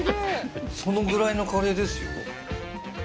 そのぐらいのカレーですよ。